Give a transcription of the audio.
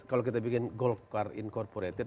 kalau kita bikin golkar incorporated